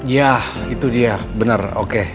ya itu dia benar oke